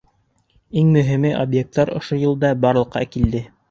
— Иң мөһим объекттар ошо йылда барлыҡҡа килде.